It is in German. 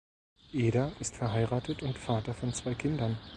Eder ist verheiratet und Vater von zwei Kindern.